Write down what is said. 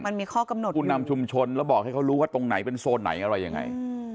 มันมีข้อกำหนดผู้นำชุมชนแล้วบอกให้เขารู้ว่าตรงไหนเป็นโซนไหนอะไรยังไง